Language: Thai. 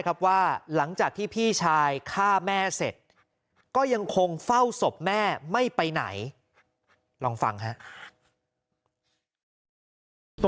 ว่าหลังจากที่พี่ชายฆ่าแม่เสร็จก็ยังคงเฝ้าศพแม่ไม่ไปไหนลองฟังครับ